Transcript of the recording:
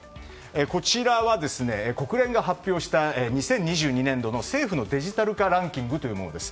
こちらは、国連が発表した２０２０年度の政府のデジタル化ランキングです。